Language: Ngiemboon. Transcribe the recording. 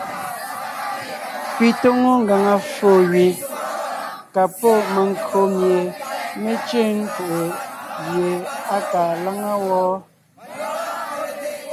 Pi tóŋo ngàŋa ffo gẅi ka pɔ́ menkÿo mie mé cʉ̂ŋ fʉʼ gie á kaa láŋa wɔ́.